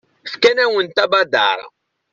Fkan-awent abadaṛ.